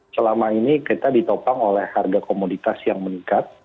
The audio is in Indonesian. selama ini kita ditopang oleh harga komoditas yang meningkat